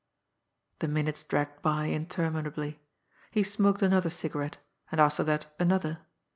The minutes dragged by interminably. He smoked another cigarette, and after that another.